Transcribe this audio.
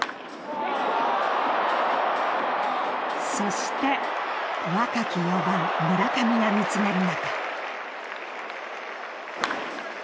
そして若き４番村上が見つめる中。